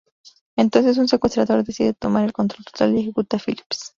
Entonces un secuestrador decide tomar el control total y ejecutar a Phillips.